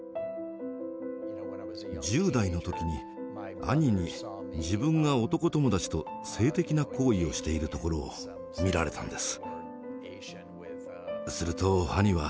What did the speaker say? １０代の時に兄に自分が男友達と性的な行為をしているところを見られたんです。